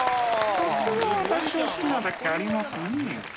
さすが私を好きなだけありますね。